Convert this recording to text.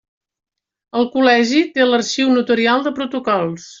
El Col·legi té l'arxiu notarial de protocols.